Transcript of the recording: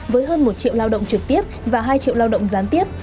với hơn một triệu lao động trực tiếp và hai triệu lao động gián tiếp